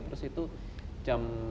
terus itu jam